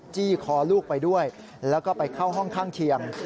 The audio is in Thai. จี้คอลูกไปด้วยแล้วก็ไปเข้าห้องข้างเคียง